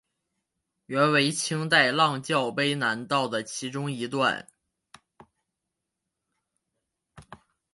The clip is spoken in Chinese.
原为清代琅峤卑南道的其中一段。